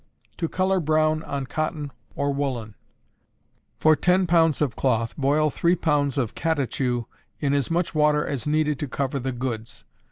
To Color Brown on Cotton or Woolen. For ten pounds of cloth boil three pounds of catechu in as much water as needed to cover the goods.